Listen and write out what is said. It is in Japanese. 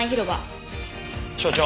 所長。